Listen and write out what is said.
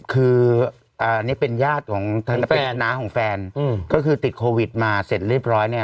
คืออันนี้เป็นญาติของน้าของแฟนก็คือติดโควิดมาเสร็จเรียบร้อยเนี่ย